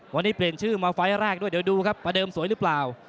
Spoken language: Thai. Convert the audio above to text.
วันนี้เปลี่ยนชื่อมาไฟล์แรกด้วยเดี๋ยวดูครับประเดิมสวยหรือเปล่า